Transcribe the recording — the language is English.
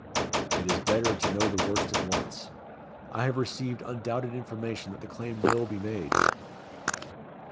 "It is better to know the worst at once. I have received undoubted information that the claim will be made."